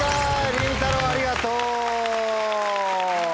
りんたろうありがとう！